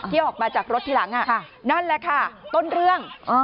ออกมาจากรถทีหลังนั่นแหละค่ะต้นเรื่อง